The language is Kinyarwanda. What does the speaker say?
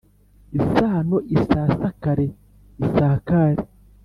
Isano isasakare isakare